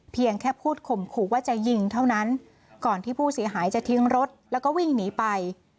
เพียงแค่พูดข่มขู่ว่าจะยิงเท่านั้นก่อนที่ผู้เสียหายจะทิ้งรถแล้วก็วิ่งหนีไป